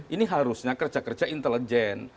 ini harusnya kerja kerja intelijen